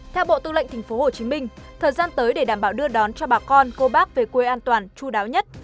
theo bộ tư lệnh tp hcm thời gian tới để đảm bảo đưa đón cho bà con cô bác về quê an toàn chú đáo nhất